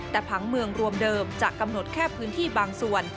แต่ผังเมืองรวมเดิมจะกำหนดแค่พื้นที่บางส่วน